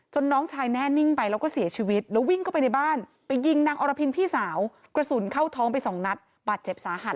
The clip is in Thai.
น้องชายแน่นิ่งไปแล้วก็เสียชีวิตแล้ววิ่งเข้าไปในบ้านไปยิงนางอรพินพี่สาวกระสุนเข้าท้องไปสองนัดบาดเจ็บสาหัส